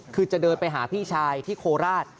คือจะเดินไปหาพี่ชายที่โคราช